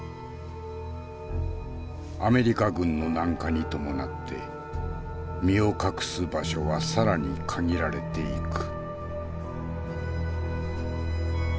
アメリカ軍の南下に伴って身を隠す場所は更に限られていく。